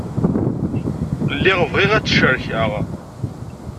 Lliɣ bɣiɣ ad t-cerkeɣ.